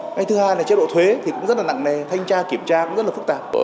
cái thứ hai là chế độ thuế thì cũng rất là nặng nề thanh tra kiểm tra cũng rất là phức tạp